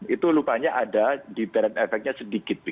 itu lupanya ada deterrent efeknya sedikit